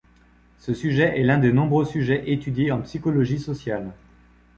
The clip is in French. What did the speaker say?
Ce sujet est l'un des nombreux sujets étudiés en psychologie sociale.